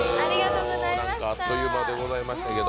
なんかあっという間でございましたけど。